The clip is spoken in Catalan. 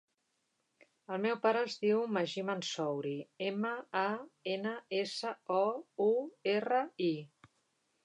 El meu pare es diu Magí Mansouri: ema, a, ena, essa, o, u, erra, i.